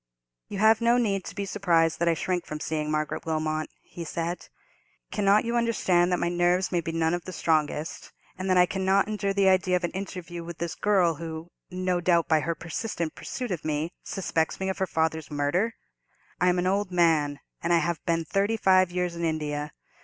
"You have no need to be surprised that I shrink from seeing Margaret Wilmot," he said. "Cannot you understand that my nerves may be none of the strongest, and that I cannot endure the idea of an interview with this girl, who, no doubt, by her persistent pursuit of me, suspects me of her father's murder? I am an old man, and I have been thirty five years in India.